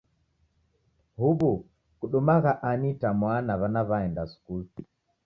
Huw'u kudumagha ani itamwaa na w'ana w'aenda skulu?